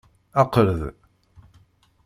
Ɛqel-d.